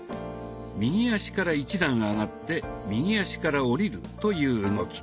右足から１段上がって右足から下りるという動き。